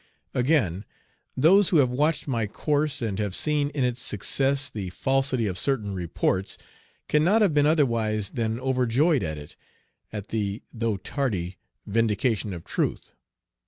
Again, those who have watched my course and have seen in its success the falsity of certain reports, can not have been otherwise than overjoyed at it, at the, though tardy, vindication of truth.